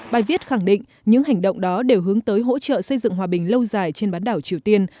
bài viết khẳng định những hành động đó đều hướng tới hỗ trợ xây dựng hòa bình lâu dài trên bán đảo triều tiên